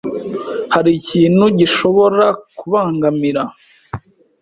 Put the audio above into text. hari ikintu gishobora kubangamira